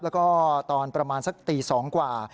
แล้วก็ตอนประมาณสักตี๒กว่า